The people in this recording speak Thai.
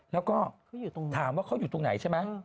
แล้วก็ถามว่าเขาอยู่ตรงไหนใช่ไหม